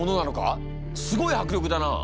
すごい迫力だなあ。